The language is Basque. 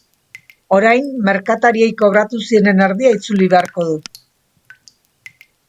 Orain merkatariei kobratu zienen erdia itzuli beharko du.